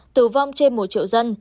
tử vong trên một triệu dân